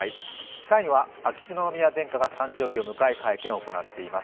３位は秋篠宮殿下が誕生日を迎え、会見を行っています